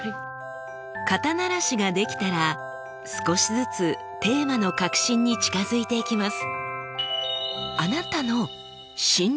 肩慣らしができたら少しずつテーマの核心に近づいていきます。